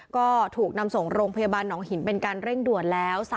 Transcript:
ก็ถูกนำส่งโรงพยาบาลหนองหินเป็นการเร่งด่วนแล้ว